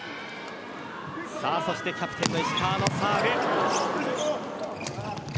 キャプテンの石川のサーブ。